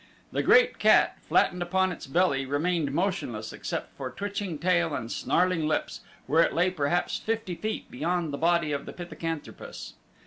The great cat, flattened upon its belly, remained motionless except for twitching tail and snarling lips where it lay perhaps fifty feet beyond the body of the pithecanthropus.